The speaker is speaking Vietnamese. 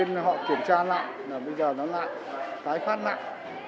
nên họ kiểm tra lại là bây giờ nó lại tái phát nặng